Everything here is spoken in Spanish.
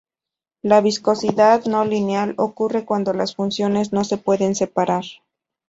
La viscosidad no lineal ocurre cuando las funciones no se pueden separar.